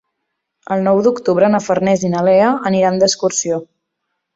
El nou d'octubre na Farners i na Lea aniran d'excursió.